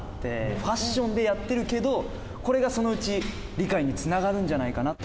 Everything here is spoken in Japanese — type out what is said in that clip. ファッションでやってるけど、これがそのうち理解につながるんじゃないかなって。